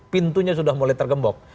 pintunya sudah mulai tergembok